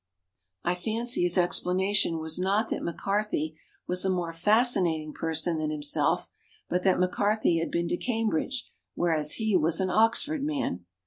I fancy his explana tion was not that MacCarthy was a more fascinating person than himself, but that MacCarthy had been to Cam bridge, whereas he was an Oxford man.